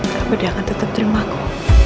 tapi dia akan tetap terima aku